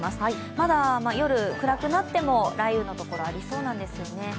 まだ夜、暗くなっても雷雨のところがありそうなんですよね。